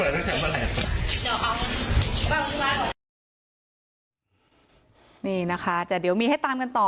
ไปเปิดตั้งแต่เมื่อไหร่อ่ะนี่นะคะแต่เดี๋ยวมีให้ตามกันต่อ